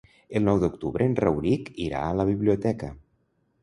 El nou d'octubre en Rauric irà a la biblioteca.